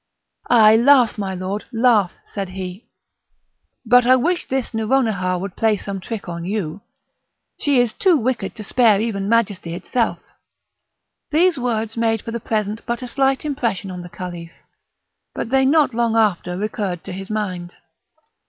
"Ay, laugh, my lord! laugh," said he; "but I wish this Nouronihar would play some trick on you; she is too wicked to spare even majesty itself." Those words made for the present but a slight impression on the Caliph; but they not long after recurred to his mind.